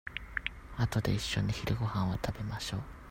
あとでいっしょに昼ごはんを食べましょう。